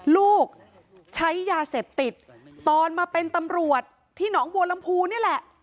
ลูกใช้ยาเสพติดตอนมาเป็นตำรวจที่หนองบัวลำพูนี่แหละ